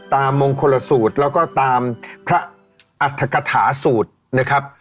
ตามโมงคนละสูตรแล้วก็ตามพระอัทาคาถาสูตรนะครับ